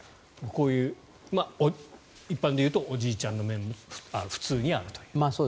こういう一般でいうとおじいちゃんの面も普通にあると。